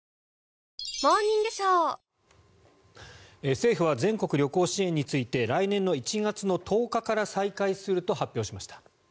政府は全国旅行支援について来年の１月１０日から再開すると発表しました。